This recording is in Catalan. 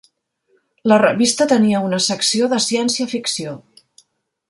La revista tenia una secció de ciència-ficció.